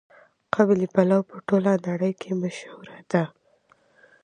قابلي پلو په ټوله نړۍ کې مشهور دی.